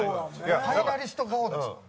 ファイナリスト顔ですもん。